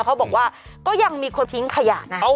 เขาบอกว่าก็ยังมีคนทิ้งขยะนะ